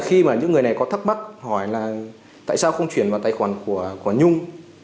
khi mà những người này có thắc mắc hỏi là tại sao không chuyển vào tài khoản của nhung